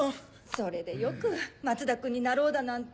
それでよく松田君になろうだなんて。